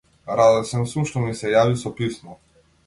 Радосен сум што ми се јави со писмо.